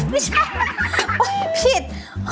ไม่ใช่ผิด